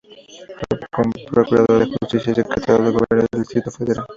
Fue procurador de Justicia y secretario del Gobierno del Distrito Federal.